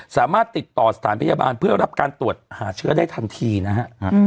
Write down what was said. สามารถติดต่อสถานพยาบาลเพื่อรับการตรวจหาเชื้อได้ทันทีนะฮะ